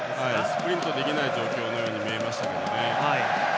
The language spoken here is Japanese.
スプリントできない状況のように見えましたね。